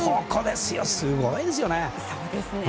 すごいですね。